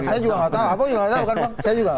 saya juga nggak tahu